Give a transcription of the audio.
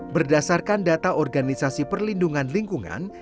berdasarkan data organisasi perlindungan lingkungan